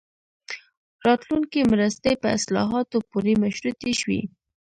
راتلونکې مرستې په اصلاحاتو پورې مشروطې شوې.